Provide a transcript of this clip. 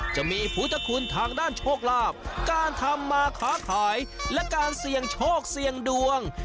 จะมีพุทธคุณทางด้านโชคลาภการทำมาค้าขายและการเสี่ยงโชคเสี่ยงดวง